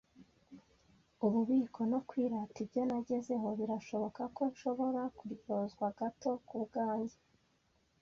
ububiko no kwirata ibyo nagezeho. Birashoboka ko nshobora kuryozwa gato kubwanjye